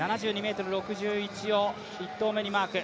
７２ｍ６１を１投目にマーク。